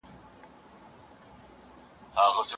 چي د بل پر وزرونو یې تکیه وي